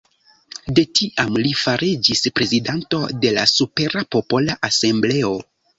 De tiam li fariĝis prezidanto de la Supera Popola Asembleo.